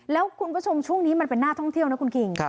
แล้วคุณผู้ชมช่วงนี้มันเป็นหน้าท่องเที่ยวนะคุณคิง